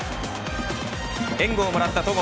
援護をもらった戸郷。